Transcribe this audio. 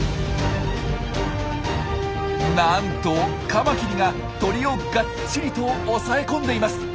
なんとカマキリが鳥をがっちりと押さえ込んでいます！